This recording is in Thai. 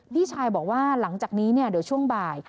พี่ชายบอกว่าหลังจากนี้เดี๋ยวช่วงบ่าย